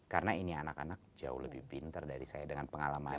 karena ini anak anak jauh lebih pintar dari saya dengan pengalaman itu